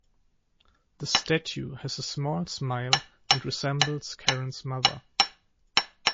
The statue has a small smile, and resembles Karin's mother.